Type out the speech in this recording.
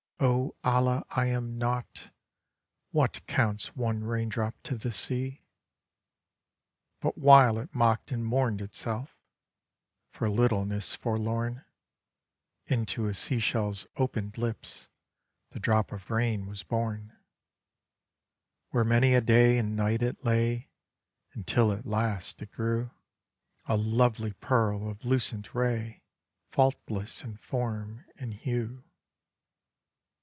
0 Allah, I am naught! What counts One Rain Drop to the Sea?" But while it mocked and mourned itself — For littleness forlorn — Into a Sea shclVs opened lips The Drop of Rain was borne, Where many a day and night it lay, Until at last it grew A lovely Pearl of lucent ray, Faultless inform and hue.